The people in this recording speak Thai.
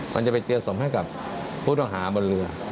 มันจะไปเจอสมให้กับผู้ต้องหาบนเรือ